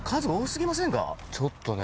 ちょっとね。